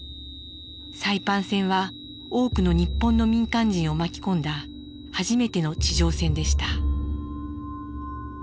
サイパン戦は多くの日本の民間人を巻き込んだ初めての地上戦でした。